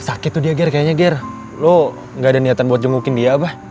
sakit tuh dia gear kayaknya gear lo gak ada niatan buat jengukin dia apa